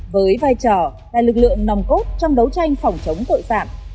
với vai trò là lực lượng nòng cốt trong đấu tranh phòng chống tội phạm